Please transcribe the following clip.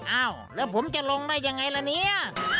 อ้าวแล้วผมจะลงได้ยังไงล่ะเนี่ย